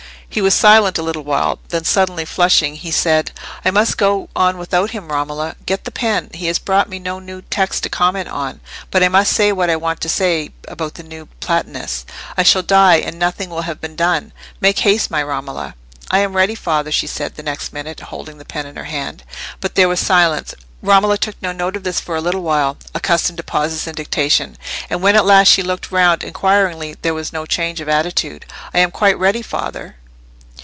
He was silent a little while; then, suddenly flushing, he said— "I must go on without him, Romola. Get the pen. He has brought me no new text to comment on; but I must say what I want to say about the New Platonists. I shall die and nothing will have been done. Make haste, my Romola." "I am ready, father," she said, the next minute, holding the pen in her hand. But there was silence. Romola took no note of this for a little while, accustomed to pauses in dictation; and when at last she looked round inquiringly, there was no change of attitude. "I am quite ready, father!"